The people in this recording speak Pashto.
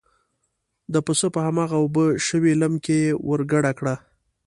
د پسه په هماغه اوبه شوي لم کې یې ور ګډه کړه.